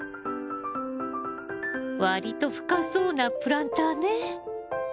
割と深そうなプランターね。